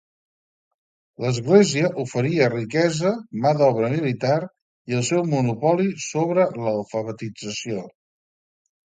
L'Església oferia riquesa, mà d'obra militar i el seu monopoli sobre alfabetització.